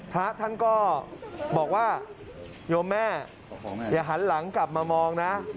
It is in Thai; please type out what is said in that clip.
พระท่านก็บอกว่าโยมแม่อย่าหันหลังกลับมามองนะ